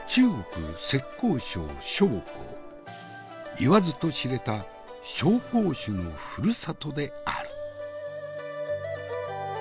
言わずと知れた紹興酒のふるさとである。